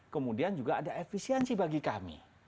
kemudian juga ada efisiensi bagi kami